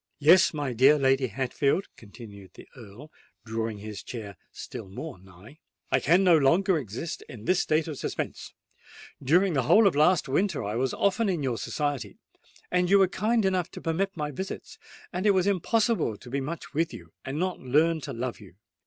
"Yes, my dear Lady Hatfield," continued the Earl, drawing his chair still more nigh,—"I can no longer exist in this state of suspense. During the whole of last winter I was often in your society: you were kind enough to permit my visits—and it was impossible to be much with you, and not learn to love you.